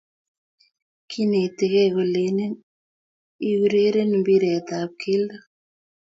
kinetigei kolene iureren mpiretab keldo